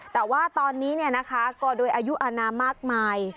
แต่ว่าตอนนี้ก็โดยอายุอนามมากมาย